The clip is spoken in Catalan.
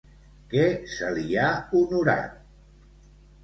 Què se li ha honorat?